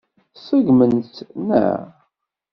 Tṣeggmemt-tt, naɣ?